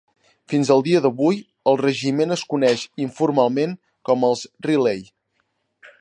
Fins al dia d'avui, el regiment es coneix informalment com els Riley.